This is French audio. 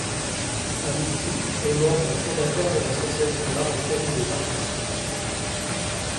Hamidi est membre fondateur de l’Association marocaine des arts plastiques.